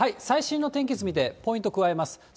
最新の天気図見て、ポイント加えます。